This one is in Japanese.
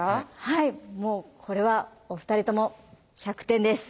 はいもうこれはお二人とも１００点です！